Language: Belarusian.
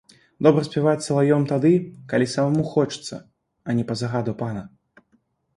Добра спяваць салаўём тады, калі самому хочацца, а не па загаду пана.